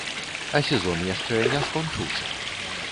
А сезон яшчэ не скончыўся.